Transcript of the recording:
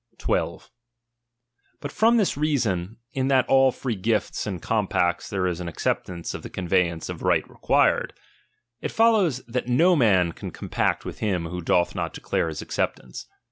12. But from this reason, that in all free gifts and compacts there is an acceptance of the con veyance of right required : it follows that no man can compact with him who doth not declare his acceptance.